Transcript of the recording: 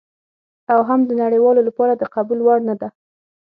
او هم د نړیوالو لپاره د قبول وړ نه ده.